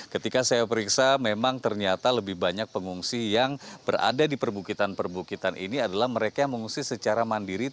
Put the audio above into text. ketika saya periksa memang ternyata lebih banyak pengungsi yang berada di perbukitan perbukitan ini adalah mereka yang mengungsi secara mandiri